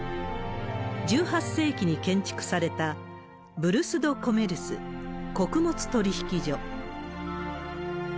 １８世紀に建築されたブルス・ド・コメルス、穀物取引所。